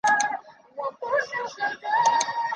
嘉靖三十五年丙辰科进士。